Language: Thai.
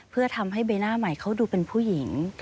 เพื่อทำให้ใบหน้าใหม่เขาดูเป็นผู้หญิง